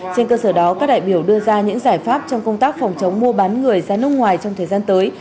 trên cơ sở đó các đại biểu đưa ra những giải pháp trong công tác phòng chống mua bán người ra nước ngoài trong thời gian tới